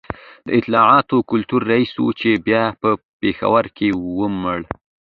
د اطلاعاتو کلتور رئیس و چي بیا په پېښور کي ومړ